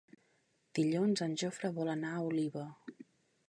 Dilluns en Jofre vol anar a Oliva.